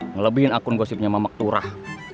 melebihin akun gosipnya mamak turah